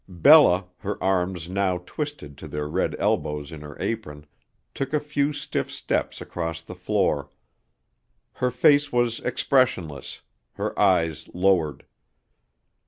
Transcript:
Bella, her arms now twisted to their red elbows in her apron, took a few stiff steps across the floor. Her face was expressionless, her eyes lowered.